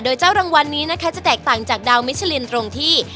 โดยเจ้ารางวัลนี้นะคะจะแตกต่างจากดาวมิชลินตรงที่